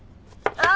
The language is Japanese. ああ！